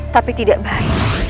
tapi tidak baik